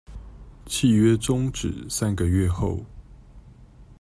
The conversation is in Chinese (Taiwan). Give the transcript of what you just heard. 契約終止三個月後